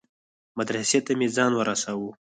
مدرسې ته مې ځان ورساوه.